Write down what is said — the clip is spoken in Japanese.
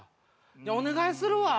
お願いするわ。